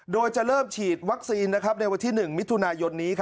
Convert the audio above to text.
โดยจะเริ่มฉีดวัคซีนในวันที่๑มิถุนายนนี้